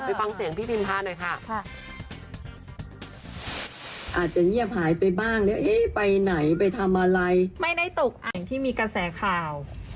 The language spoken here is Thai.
ไม่ใช่ว่าไม่มีเงินอะไรหรอกนะคะ